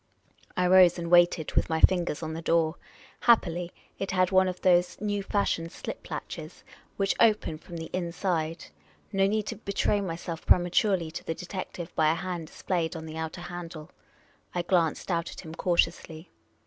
I rose and waited, with my fingers on the door. Happily it had one of those new fa.shioned .slip latches which open from the inside. No need to betray myself prematurely to the detective by a hand displayed on the outer handle. I glanced out at him cautiously.